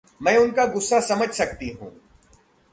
मैं उनका गुस्सा समझ सकती हूँ।